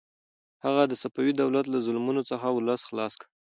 هغه د صفوي دولت له ظلمونو څخه ولس خلاص کړ.